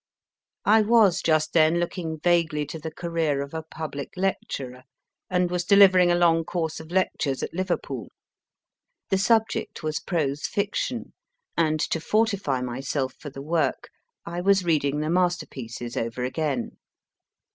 I was just then looking vaguely to the career of a public lecturer, and was delivering a long course of lectures at Liverpool. The subject was prose fiction, and to fortify myself for the work I was reading the masterpieces over 64 MY FIRST BOOK again.